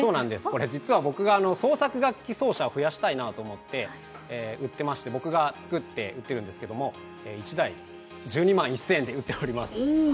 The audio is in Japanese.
実は僕が創作楽器奏者を増やしたいなと思って僕が作って売っているんですけど１台１２万１０００円で売っています。